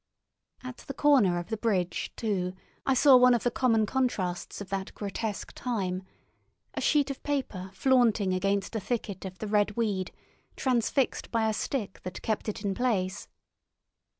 At the corner of the bridge, too, I saw one of the common contrasts of that grotesque time—a sheet of paper flaunting against a thicket of the red weed, transfixed by a stick that kept it in place.